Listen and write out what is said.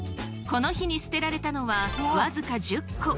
この日に捨てられたのは僅か１０個！